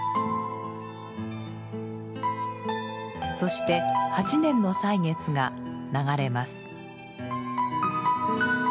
そして８年の歳月が流れます。